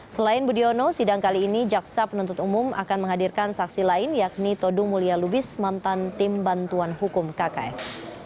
selain budiono sidang kali ini jaksa penuntut umum akan menghadirkan saksi lain yakni todung mulia lubis mantan tim bantuan hukum kks